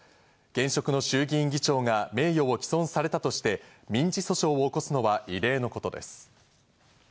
現職の衆議院議長が名誉を毀損されたとして、民事訴訟を起こすのは異例のことです。